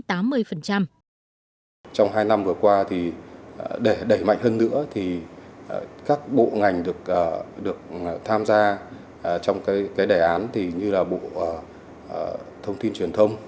trong hai năm vừa qua để đẩy mạnh hơn nữa các bộ ngành được tham gia trong đề án như bộ thông tin truyền thông